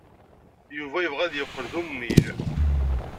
Yuba yebɣa ad yeqqel d ummil.